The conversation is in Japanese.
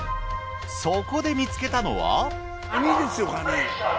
そこで見つけたのは？